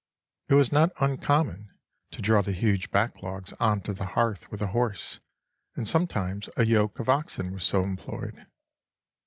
It was not uncommon to draw the huge backlogs on to the hearth with a horse, and sometimes a yoke of oxen were so employed.